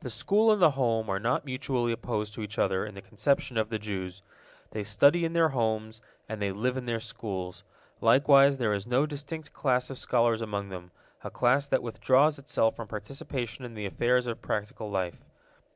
The school and the home are not mutually opposed to each other in the conception of the Jews. They study in their homes, and they live in their schools. Likewise there is no distinct class of scholars among them, a class that withdraws itself from participation in the affairs of practical life.